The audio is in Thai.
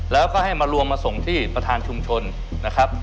แล้วก็ให้มารวมมาส่งที่ประธานชุมชนนะครับ